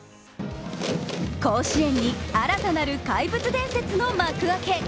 甲子園に新たなる怪物伝説の幕開け。